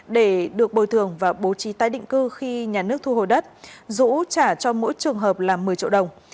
để được bồi thường và bố trí tái định cư khi nhà nước thu hồi đất dũ trả cho mỗi trường hợp là một mươi triệu đồng